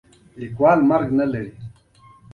مېرمنې یې ما ته سېګنورینو وویل او ژړل یې.